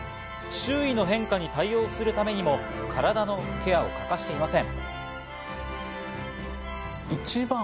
周囲の変化に対応するためにも体のケアを欠かしていません。